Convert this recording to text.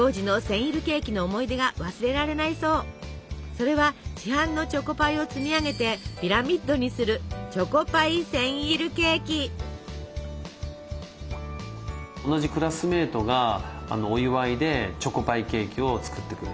それは市販のチョコパイを積み上げてピラミッドにする同じクラスメートがお祝いでチョコパイケーキを作ってくれて。